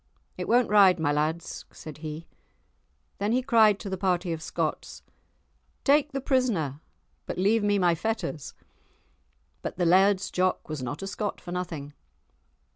"It won't ride, my lads," said he. Then he cried to the party of Scots: "Take the prisoner, but leave me my fetters." But the Laird's Jock was not a Scot for nothing.